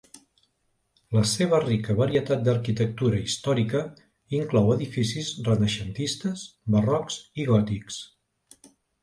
La seva rica varietat d'arquitectura històrica inclou edificis renaixentistes, barrocs i gòtics.